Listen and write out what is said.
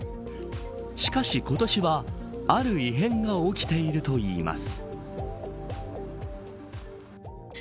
しかし、今年はある異変が起きているといいます。